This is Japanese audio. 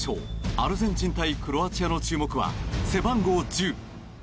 アルゼンチン対クロアチアの注目は、背番号１０！